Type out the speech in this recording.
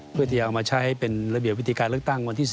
เพื่อที่จะเอามาใช้เป็นระเบียบวิธีการเลือกตั้งวันที่๒